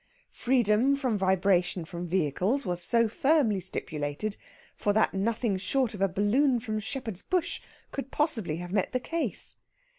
Freedom from vibration from vehicles was so firmly stipulated for that nothing short of a balloon from Shepherd's Bush could possibly have met the case.